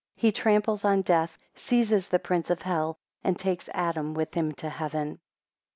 13 He tramples on death, seizes the prince of hell, and takes Adam with him to Heaven.